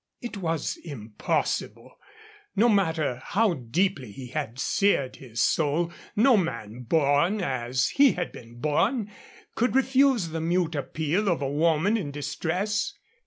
It was impossible; no matter how deeply he had seared his soul, no man born as he had been born could refuse the mute appeal of a woman in distress.